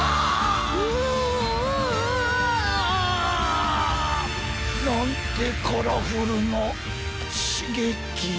うおお！なんてカラフルなしげき。